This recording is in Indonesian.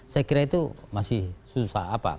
saya kira itu masih susah apa